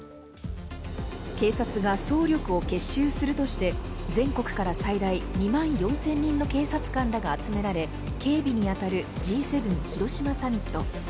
警察が総力を結集するとして全国から最大２万４０００人の警察官らが集められ警備に当たるＧ７広島サミット。